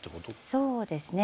そうですね。